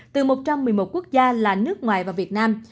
từ một trăm một mươi một quốc gia là nước ngoài và vận chuyển